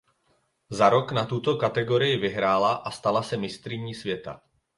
Za rok na to tuto kategorii vyhrála a stala se mistryní světa.